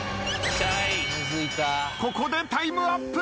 ここでタイムアップ。